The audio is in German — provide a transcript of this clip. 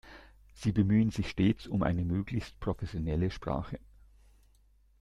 Sie bemühen sich stets um eine möglichst professionelle Sprache.